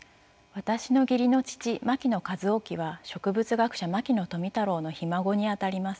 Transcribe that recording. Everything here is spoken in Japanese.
私の義理の父牧野一は植物学者牧野富太郎のひ孫にあたります。